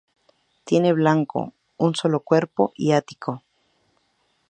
Tiene banco, un solo cuerpo y ático.